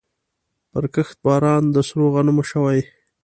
پرکښت باران د سرو غنمو شوی